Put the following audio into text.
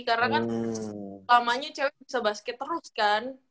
karena kan selamanya cewek bisa basket terus kan